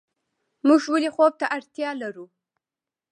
موږ ولې خوب ته اړتیا لرو